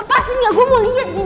lepasin gak gue mau liat di dalam